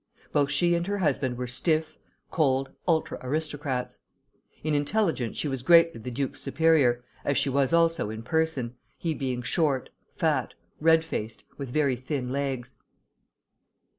Both she and her husband were stiff, cold, ultra aristocrats. In intelligence she was greatly the duke's superior, as she was also in person, he being short, fat, red faced, with very thin legs.